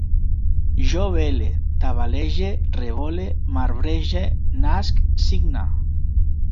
Jo vele, tabalege, revole, marbrege, nasc, signe